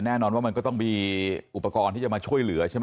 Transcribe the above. แน่นอนว่ามันก็ต้องมีอุปกรณ์ที่จะมาช่วยเหลือใช่ไหม